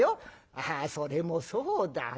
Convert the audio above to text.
「ああそれもそうだね。